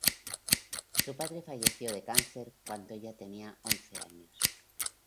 Su padre falleció de cáncer cuando ella tenía once años.